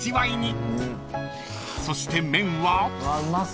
［そして麺は？］